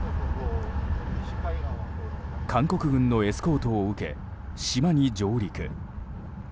韓国軍のエスコートを受け島に上陸。